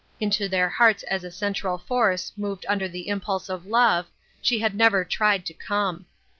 Into their hearts as a central force moved under the impulse of love, she had never tried to come.